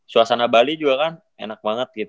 suasana bali juga kan enak banget gitu